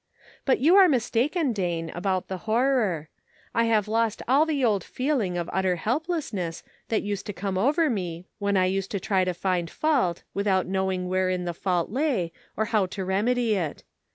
But you are mistaken Dane, about the horror. I have lost all the old feeling of utter help lessness that used to come over me when I used to try to find fault without knowing wherein the fault lay or how to remedy it.